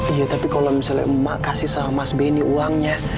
iya tapi kalau misalnya emak kasih sama mas benny uangnya